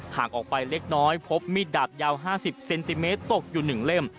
ห่างออกไปเล็กน้อยพบมีดดาบยาว๕๐เซนติเมตรตกอยู่๑เล่ม